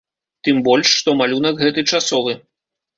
Тым больш, што малюнак гэты часовы.